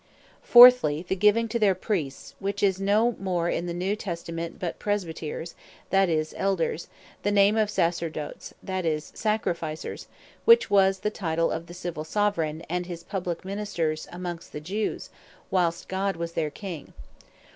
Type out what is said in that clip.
The Names Of Sacerdotes, And Sacrifices Fourthly, the giving to their Priests (which is no more in the New Testament but Presbyters, that is, Elders) the name of Sacerdotes, that is, Sacrificers, which was the title of the Civill Soveraign, and his publique Ministers, amongst the Jews, whilest God was their King.